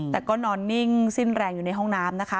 แต่ก็นอนนิ่งสิ้นแรงอยู่ในห้องน้ำนะคะ